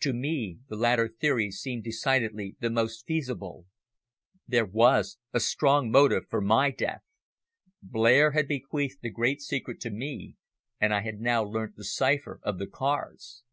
To me the latter theory seemed decidedly the most feasible. There was a strong motive for my death. Blair had bequeathed the great secret to me and I had now learnt the cipher of the cards.